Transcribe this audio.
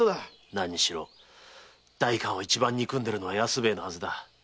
何にしろ代官を一番憎んでいるのは安兵衛のはずだ。